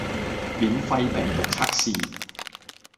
免費病毒測試